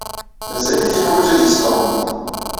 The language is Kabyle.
Mazal-it yeḥwaj ad yesleɣmu.